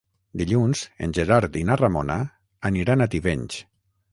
Dilluns en Gerard i na Ramona aniran a Tivenys.